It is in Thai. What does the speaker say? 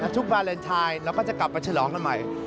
ทุกวาเลนไทยเราก็จะกลับมาฉลองกันใหม่